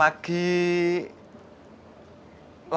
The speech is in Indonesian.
aku tidak mau ani